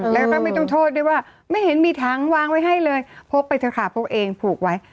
แล้วก็ไม่ต้องโทษด้วยว่าไม่เห็นมีถังวางไว้ให้เลยพกไปเถอะค่ะพกเองผูกไว้